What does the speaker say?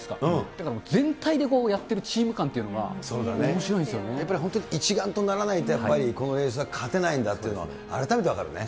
だからもう、全体でやってるチーム感っていうのがおもしろいんでやっぱり本当に一丸とならないと、やはりこのレースは勝てないんだというのが改めて分かるね。